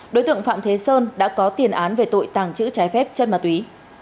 đối tượng phạm thế sơn đã có tiền án về tội tàng trữ trái phép chất ma túy